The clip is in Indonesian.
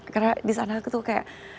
karena disana aku tuh kayak